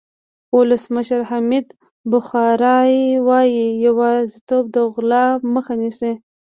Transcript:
ولسمشر محمد بخاري وایي یوازېتوب د غلا مخه نیسي.